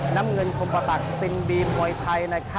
น้ำเงินคมประตักซินบีมวยไทย